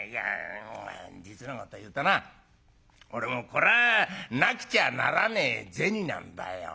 実のこと言うとな俺もこらぁなくちゃならねえ銭なんだよ。